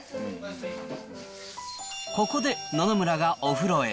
ここで、野々村がお風呂へ。